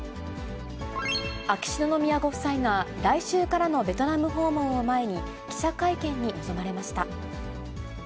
秋篠宮ご夫妻が、来週からのベトナム訪問を前に、記者会見に臨まれました。